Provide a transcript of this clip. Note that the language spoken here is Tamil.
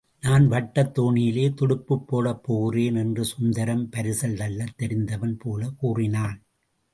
நான் வட்டத் தோணியிலே துடுப்புப் போடப் போகிறேன் என்று சுந்தரம், பரிசல் தள்ளத் தெரிந்தவன் போலக் கூறினான்.